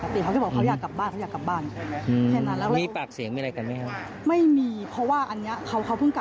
ก็คือว่าถ้ากลับว่าผู้เสียชีวิตนี้เป็นเพื่อนเราเนอะ